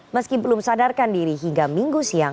meski belum sadarkan diri hingga minggu siang